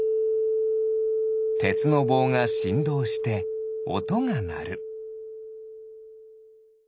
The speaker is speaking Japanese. てつのぼうがしんどうしておとがなる。